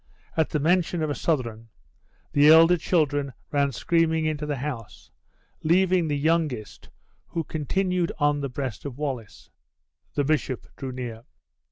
At the mention of a Southron, the elder children ran screaming into the house, leaving the youngest, who continued on the breast of Wallace. The bishop drew near.